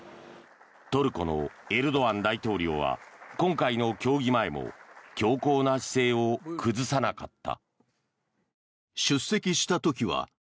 トルコのエルドアン大統領は今回の協議前も強硬な姿勢を崩さなかった。